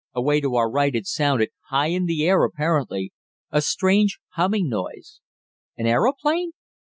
Away to our right it sounded, high in the air, apparently; a strange, humming noise. "An aeroplane?"